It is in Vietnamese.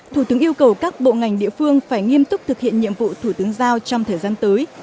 thủ tướng yêu cầu các bộ ngành địa phương phải nghiêm túc thực hiện nhiệm vụ thủ tướng giao trong thời gian tới